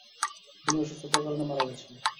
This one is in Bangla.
তিনি অসুস্থতার কারণে মারা গেছেন।